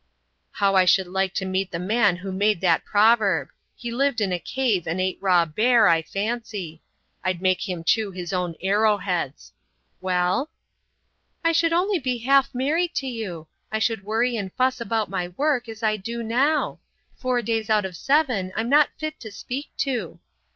"How I should like to meet the man who made that proverb! He lived in a cave and ate raw bear, I fancy. I'd make him chew his own arrow heads. Well?" "I should be only half married to you. I should worry and fuss about my work, as I do now. Four days out of the seven I'm not fit to speak to."